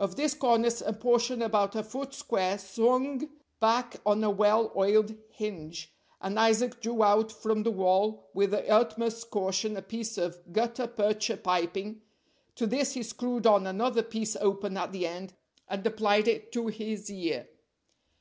Of this cornice a portion about a foot square swung back on a well oiled hinge, and Isaac drew out from the wall with the utmost caution a piece of gutta percha piping, to this he screwed on another piece open at the end, and applied it to his ear.